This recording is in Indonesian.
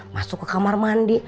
masuk ke kamar mandi